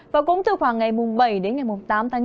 và cũng từ khoảng ngày bảy đến ngày tám tháng chín